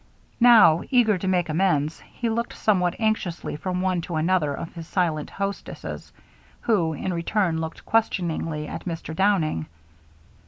Now, eager to make amends, he looked somewhat anxiously from one to another of his silent hostesses, who in return looked questioningly at Mr. Downing.